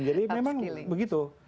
jadi memang begitu